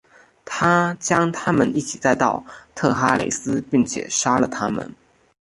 他将他们一起带到特哈雷斯并且杀了他们。